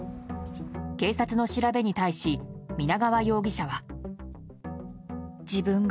警察の調べに対し皆川容疑者は。